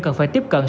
cần phải tiếp cận